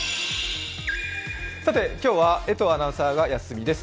今日は江藤アナウンサーがお休みです。